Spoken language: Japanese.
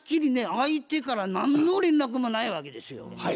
相手から何の連絡もないわけですよ。